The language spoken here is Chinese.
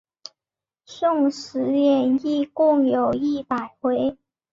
宋史演义共有一百回。